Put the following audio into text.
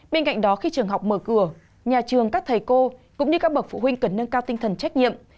bên cạnh đó khi trường học mở cửa nhà trường các thầy cô cũng như các bậc phụ huynh cần nâng cao tinh thần trách nhiệm